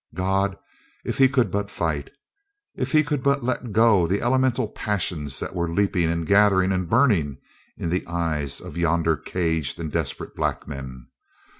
God! if he could but fight! If he could but let go the elemental passions that were leaping and gathering and burning in the eyes of yonder caged and desperate black men.